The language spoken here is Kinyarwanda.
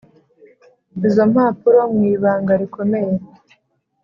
izo mpapuro mwibanga rikomeye.